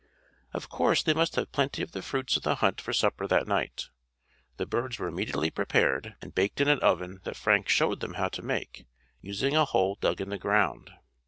Of course they must have plenty of the fruits of the hunt for supper that night. The birds were immediately prepared and baked in an oven that Frank showed them how to make, using a hole dug in the ground.